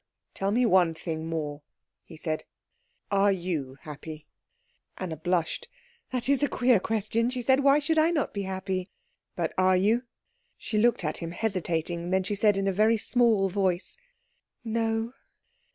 "Tell me one thing more," he said; "are you happy?" Anna blushed. "That is a queer question," she said. "Why should I not be happy?" "But are you?" She looked at him, hesitating. Then she said, in a very small voice, "No."